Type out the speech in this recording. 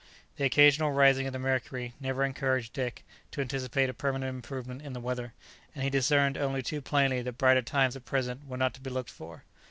The occasional rising of the mercury never encouraged Dick to anticipate a permanent improvement in the weather, and he discerned only too plainly that brighter times at present were not to be looked for.